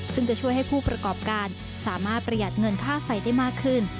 ซึ่งจะช่วยให้ผู้ประกอบการสามารถประหยัดเงินค่าไฟได้มากขึ้น